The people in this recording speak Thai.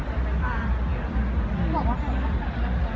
ไม่ทราบเลยครับ